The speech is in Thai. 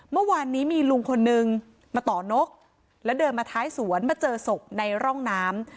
เมื่อวานนี้มีลุงคนนึงมาต่อนกแล้วเดินมาท้ายสวนมาเจอศพในร่องน้ำ